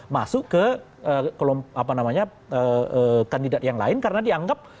masuk ke kandidat yang lain karena dianggap